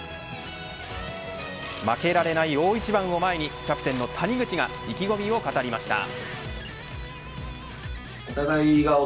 負けられない大一番を前にキャプテンの谷口が意気込みを語りました。